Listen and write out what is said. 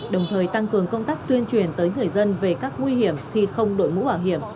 đồng thời tăng cường công tác tuyên truyền tới người dân về các nguy hiểm khi không đội mũ bảo hiểm